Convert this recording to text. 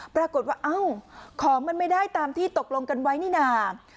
ปรากฏว่าเอ้าของมันไม่ได้ตามที่ตกลงกันไว้นี่นะ